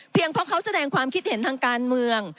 เพราะเขาแสดงความคิดเห็นทางการเมือง